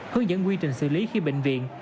hướng dẫn quy trình xử lý khi bệnh viện